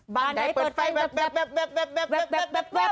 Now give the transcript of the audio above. บันไดเปิดไฟแบบแบบแบบ